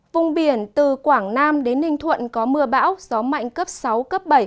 vùng biển từ quảng nam đến ninh thuận có mưa bão gió mạnh cấp sáu cấp bảy